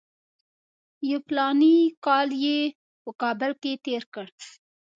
یو فلاني کال یې په کابل کې تېر کړ.